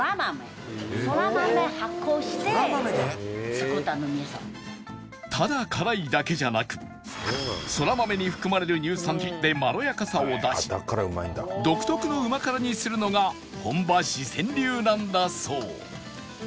常連さんが絶賛するただ辛いだけじゃなく空豆に含まれる乳酸菌でまろやかさを出し独特のうま辛にするのが本場四川流なんだそう